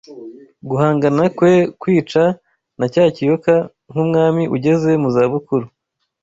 guhangana kwe kwica na cya kiyoka nkumwami ugeze mu za bukuru